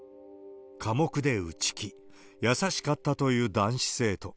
寡黙で内気、優しかったという男子生徒。